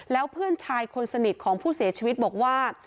แล้วเพื่อนชายคนสนิทของผู้เสียชีวิตบอกว่า